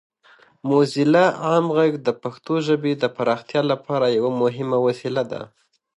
موزیلا عام غږ د پښتو ژبې د پراختیا لپاره یوه مهمه وسیله ده.